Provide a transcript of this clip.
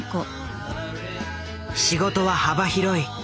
仕事は幅広い。